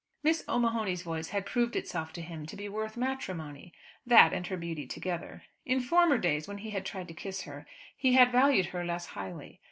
Miss O'Mahony's voice had proved itself to him to be worth matrimony, that and her beauty together. In former days, when he had tried to kiss her, he had valued her less highly.